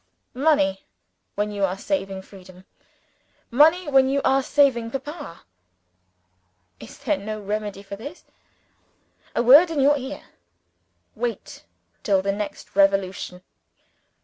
Money, when you are saving Freedom! Money, when you are saving Papa! Is there no remedy for this? A word in your ear. Wait till the next revolution!